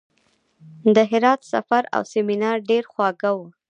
د هرات سفر او سیمینار ډېر خواږه وو.